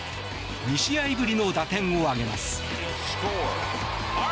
２試合ぶりの打点を挙げます。